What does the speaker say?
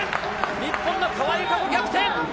日本の川井友香子、逆転！